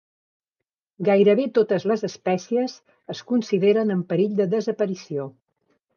Gairebé totes les espècies es consideren en perill de desaparició.